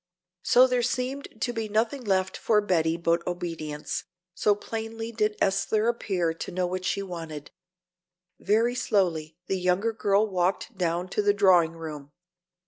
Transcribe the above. So there seemed to be nothing left for Betty but obedience, so plainly did Esther appear to know what she wanted. Very slowly the younger girl walked down to the drawing room.